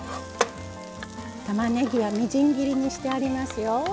たまねぎはみじん切りにしてありますよ。